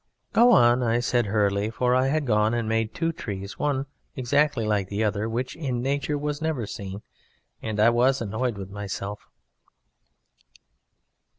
"Go on," said I hurriedly, for I had gone and made two trees one exactly like the other (which in nature was never seen) and I was annoyed with myself.